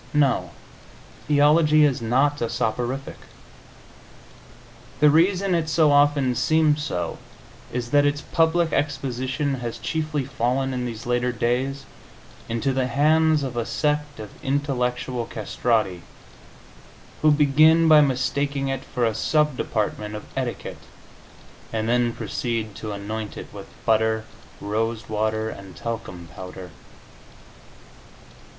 No, theology is not a soporific. The reason it so often seems so is that its public exposition has chiefly fallen, in these later days, into the hands of a sect of intellectual castrati, who begin by mistaking it for a sub department of etiquette, and then proceed to anoint it with butter, rose water and talcum powder.